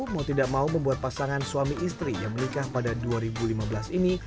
mau tidak mau membuat pasangan suami istri yang menikah pada dua ribu lima belas ini